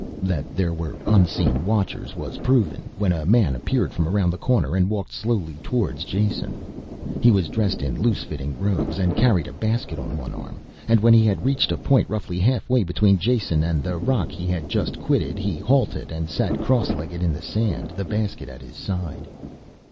That there were unseen watchers was proven when a man appeared from around the corner and walked slowly towards Jason. He was dressed in loose fitting robes and carried a basket on one arm, and when he had reached a point roughly halfway between Jason and the rock he had just quitted he halted and sat crosslegged in the sand, the basket at his side.